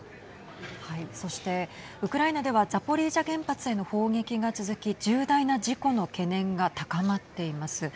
そしてウクライナではザポリージャ原発への砲撃が続き重大な事故の懸念が高まっています。